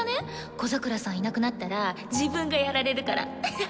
小桜さんいなくなったら自分がやられるから。